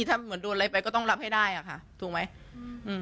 ถ้าเหมือนโดนอะไรไปก็ต้องรับให้ได้อ่ะค่ะถูกไหมอืม